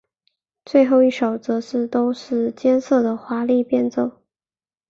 最后一首则都是最艰涩的华丽变奏。